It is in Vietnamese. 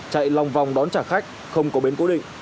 chạy lòng vòng đón trả khách không có bến cố định